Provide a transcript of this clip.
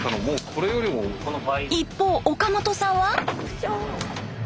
一方岡本さんは。